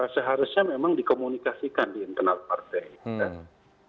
seharusnya memang dikomunikasikan di internal partai